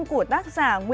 của tác giả nguyễn mạnh hải